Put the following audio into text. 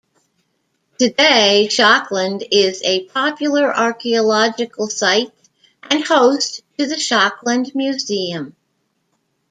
Today Schokland is a popular archaeological site and host to the Schokland Museum.